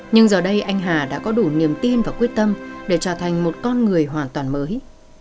nhưng giờ đây anh hà đã có đủ niềm tin và quyết tâm để trở thành một con người hoàn toàn mới